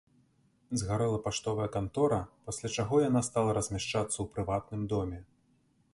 Згарэла паштовая кантора, пасля чаго яна стала размяшчацца ў прыватным доме.